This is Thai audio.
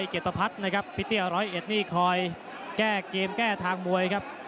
หมดโยกที่สองรั่วล้มละเอ๊อครับ